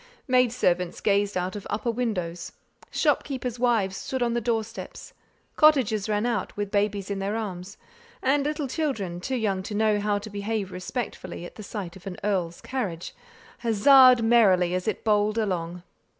Maid servants gazed out of upper windows; shopkeepers' wives stood on the door steps; cottagers ran out, with babies in their arms; and little children, too young to know how to behave respectfully at the sight of an earl's carriage, huzzaed merrily as it bowled along.